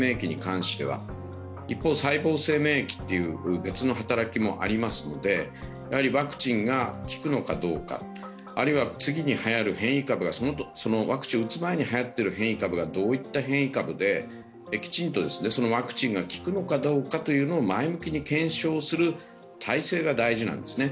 一方、細胞性免疫という別の働きもありますので、ワクチンが効くのかどうかあるいは次にはやる変異株が、ワクチンを打つ前にはやっている変異株がどういった変異株で、きちんとワクチンが効くのかどうかというのを前向きに検証する体制が大事なんですね。